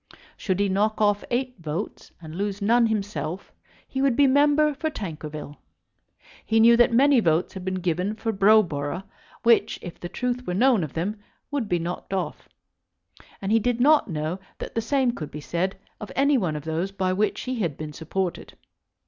Should he knock off eight votes and lose none himself, he would be member for Tankerville. He knew that many votes had been given for Browborough which, if the truth were known of them, would be knocked off; and he did not know that the same could be said of any one of those by which he had been supported.